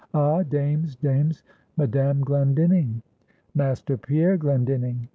'Ah, dames, dames, Madame Glendinning, Master Pierre Glendinning.'